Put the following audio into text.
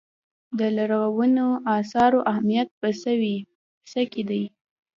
د لرغونو اثارو اهمیت په څه کې دی.